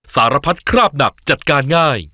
สารพัดคราบหนักจัดการง่าย